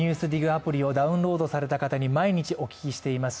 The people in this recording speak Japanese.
アプリをダウンロードされた方に毎日お聞きしています